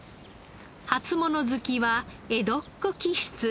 初物好きは江戸っ子気質。